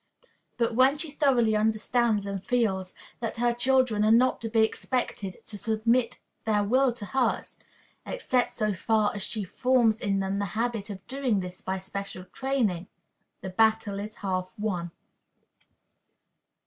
But when she thoroughly understands and feels that her children are not to be expected to submit their will to hers, except so far as she forms in them the habit of doing this by special training, the battle is half won.